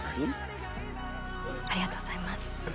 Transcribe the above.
ありがとうございます。